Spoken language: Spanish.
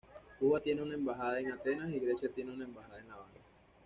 Cuba tiene una embajada en Atenas y Grecia tiene una embajada en La Habana.